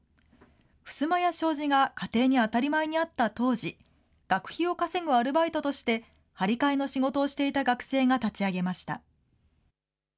ふすまや障子が家庭に当たり前にあった当時、学費を稼ぐアルバイトとして、張り替えの仕事をしていた学生が立ち上げました。